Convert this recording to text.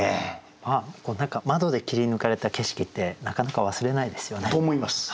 何か窓で切り抜かれた景色ってなかなか忘れないですよね。と思います。